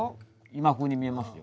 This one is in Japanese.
今風に見えますよ。